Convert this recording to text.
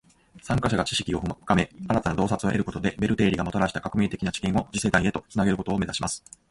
参加者が知識を深め，新たな洞察を得ることで，ベル定理がもたらした革命的な知見を次世代へと繋げることを目指します．